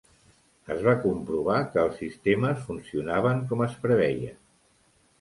Es va comprovar que els sistemes funcionaven com es preveia.